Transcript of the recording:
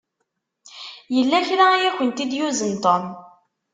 Yella kra i akent-id-yuzen Tom.